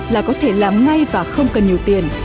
là có thể làm ngay và không cần nhiều tiền